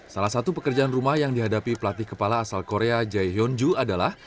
salah satu pekerjaan rumah yang dihadapi pelatih kepala asal korea jae hyun joo adalah